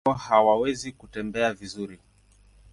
Kwa sababu hiyo hawawezi kutembea vizuri.